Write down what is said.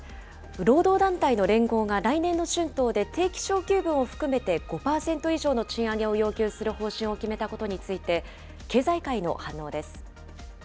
労働団体の連合が来年の春闘で定期昇給分を含めて５％以上の賃上げを要求する方針を決めたことについて、経済界の反応です。